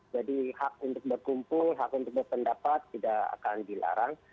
jadi hak untuk berkumpul hak untuk berpendapat tidak akan dilarang